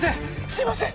すいません！